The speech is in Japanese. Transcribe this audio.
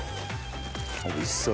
おいしそう！